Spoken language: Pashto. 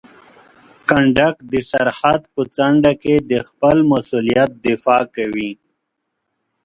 کنډک د سرحد په څنډه کې د خپل مسؤلیت دفاع کوي.